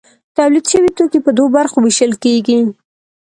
تولید شوي توکي په دوو برخو ویشل کیږي.